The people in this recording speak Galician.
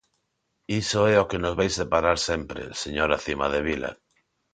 Iso é o que nos vai separar sempre, señora Cimadevila.